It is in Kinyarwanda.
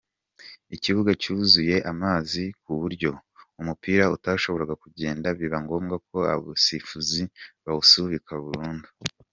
ikibuga cyuzuye amazi ku buryo umupira utashoboraga kugenda biba ngombwa ko abasifuzi bawusubika burundu.